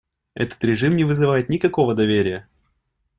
Этот режим не вызывает никакого доверия.